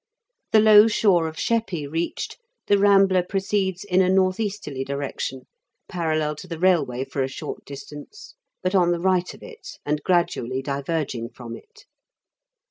The low shore of Sheppey reached, the rambler proceeds in a north easterly direction, parallel to the railway for a short distance, but on the right of it, and gradually diverging from it.